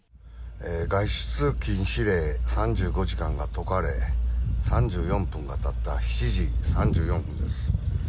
外出禁止令３５時間が解かれ３４分が経った７時３４分です。